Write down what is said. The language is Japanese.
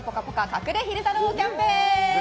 隠れ昼太郎キャンペーン。